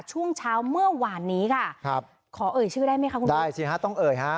ช่วงเช้าเมื่อวานนี้ค่ะครับขอเอ่ยชื่อได้ไหมคะคุณได้สิฮะต้องเอ่ยฮะ